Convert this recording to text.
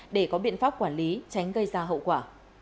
để có biện pháp quản lý tránh gây ra hậu quả